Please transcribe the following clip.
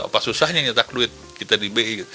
apa susahnya nyetak duit kita dibiayai